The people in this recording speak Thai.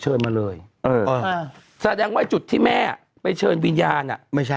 เชิญมาเลยเอออ่าแสดงว่าจุดที่แม่ไปเชิญวิญญาณอ่ะไม่ใช่